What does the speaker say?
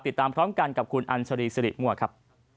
ติดตามพร้อมกันกับคุณอัญชรีสิริมั่วครับ